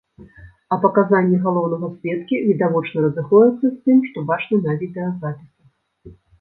А паказанні галоўнага сведкі відавочна разыходзяцца з тым, што бачна на відэазапісах.